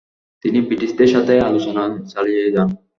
তিনি ব্রিটিশদের সাথে আলোচনা চালিয়ে যান।